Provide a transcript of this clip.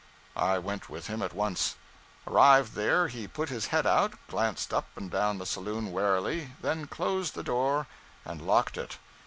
I went with him at once. Arrived there, he put his head out, glanced up and down the saloon warily, then closed the door and locked it.